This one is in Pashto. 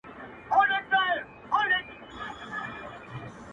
• بيا دي توري سترگي زما پر لوري نه کړې؛